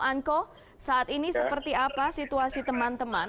anko saat ini seperti apa situasi teman teman